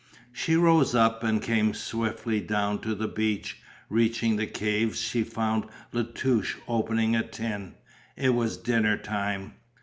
She rose up and came swiftly down to the beach. Reaching the caves she found La Touche opening a tin. It was dinner time.